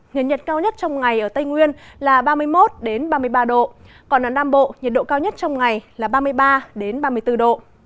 nhiệt nhiệt cao nhất trong ngày ở tây nguyên là ba mươi một ba mươi ba độ còn ở nam bộ nhiệt độ cao nhất trong ngày là ba mươi ba ba mươi bốn độ